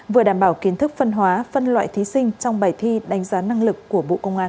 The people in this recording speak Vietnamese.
vừa đảm bảo kiến thức phân hóa phân loại thí sinh trong bài thi đánh giá năng lực của bộ công an